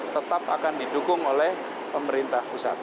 tetap akan didukung oleh pemerintah pusat